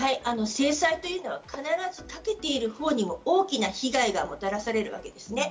制裁というのは必ずかけている方にも大きな被害がもたらされるわけです。